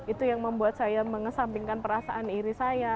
itu yang membuat saya mengesampingkan perasaan iri saya